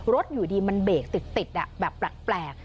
อยู่ดีมันเบรกติดแบบแปลก